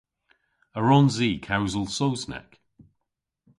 A wrons i kewsel Sowsnek?